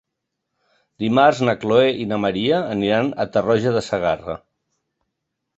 Dimarts na Chloé i na Maria aniran a Tarroja de Segarra.